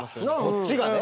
こっちが。